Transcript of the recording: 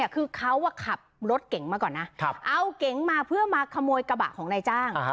คือเขาขับรถเก๋งมาก่อนนะเอาเก๋งมาเพื่อมาขโมยกระบะของนายจ้าง